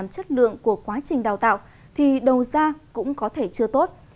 chất lượng của quá trình đào tạo thì đầu ra cũng có thể chưa tốt